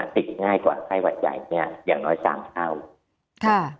ติดง่ายกว่าไข้หวัดใหญ่เนี่ยอย่างน้อย๓เท่าค่ะ